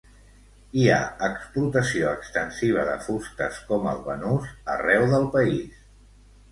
Hi ha explotació extensiva de fustes com el banús arreu del país.